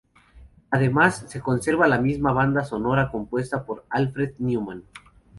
Además, se conserva la misma banda sonara compuesta por Alfred Newman.